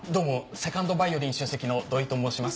セカンドヴァイオリン首席の土井と申します。